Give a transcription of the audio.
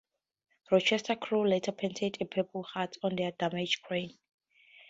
"Rochester"s crew later painted a Purple Heart on her damaged crane.